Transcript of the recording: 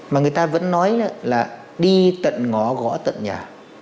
mà người ta vẫn nói là đi tận ngõ gõ tận nhà